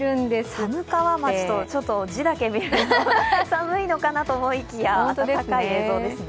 寒川町と、字だけ見ると寒いのかなと思いきや、暖かい映像ですね。